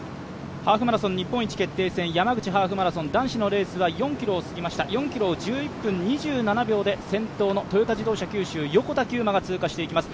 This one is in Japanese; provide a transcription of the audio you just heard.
ハーフマラソン日本一決定戦山口ハーフマラソン男子のレースは４ｋｍを過ぎました４ｋｍを１１分２７秒で先頭のトヨタ自動車九州横田玖磨が通過していきます。